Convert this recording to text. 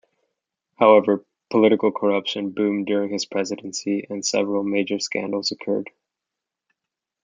However, political corruption boomed during his presidency and several major scandals occurred.